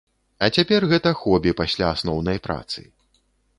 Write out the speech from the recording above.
А цяпер гэта хобі пасля асноўнай працы.